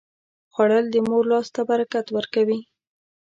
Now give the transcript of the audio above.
خوړل د مور لاس ته برکت ورکوي